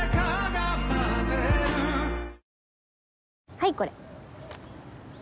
はいこれ。